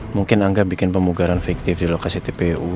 mungkin angga bikin pemugaran fiktif di lokasi tpu